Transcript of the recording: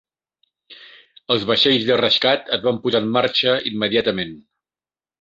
Els vaixells de rescat es van posar en marxa immediatament.